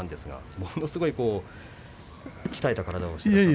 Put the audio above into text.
ものすごい鍛えた体をしていましたね。